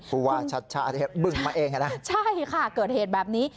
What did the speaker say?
ผู้ว่าชัดอาจจะเบิ้งมาเองค่ะนะใช่ค่ะเกิดเหตุแบบนี้